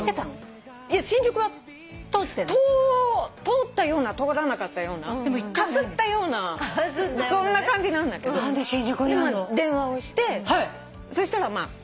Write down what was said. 通ったような通らなかったようなかすったようなそんな感じなんだけど電話をしてそしたらありますと。